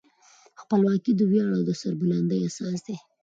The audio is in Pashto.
خپلواکي د ویاړ او سربلندۍ اساس دی.